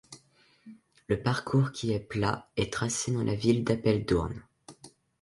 Le parcours qui est plat, est tracé dans la ville de Apeldoorn.